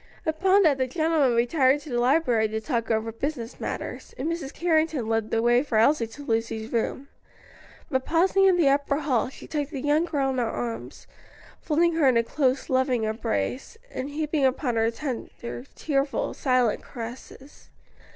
Upon that the gentlemen retired to the library to talk over business matters, and Mrs. Carrington led the way for Elsie to Lucy's room. But pausing in the upper hall, she took the young girl in her arms, folding her in a close, loving embrace, and heaping upon her tearful, tender, silent caresses.